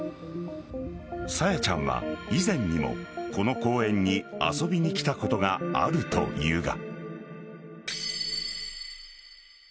朝芽ちゃんは以前にもこの公園に遊びに来たことがあるというが。